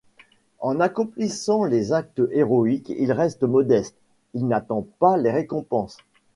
En accomplissant les actes héroïques il reste modeste, il n'attend pas les récompenses.